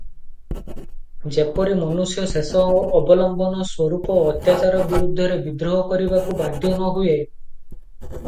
ଯେପରି ମନୁଷ୍ୟ ଶେଷ ଅବଲମ୍ବନ ସ୍ୱରୂପ ଅତ୍ୟାଚାର ବିରୁଦ୍ଧରେ ବିଦ୍ରୋହ କରିବାକୁ ବାଧ୍ୟ ନ ହୁଏ ।